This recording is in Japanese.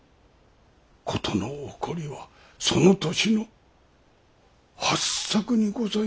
事の起こりはその年の八朔にございました。